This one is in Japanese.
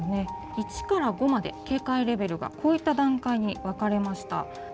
１から５まで警戒レベルが段階に分かれました。